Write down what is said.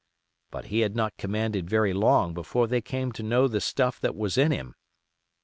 But he had not commanded very long before they came to know the stuff that was in him.